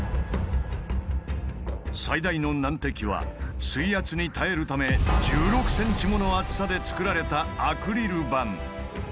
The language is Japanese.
最大の難敵は水圧に耐えるため１６ｃｍもの厚さで作られたアクリル板。